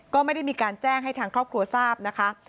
ก็ไม่ได้มีการแจ้งให้ทางครอบครัวทราบนะคะ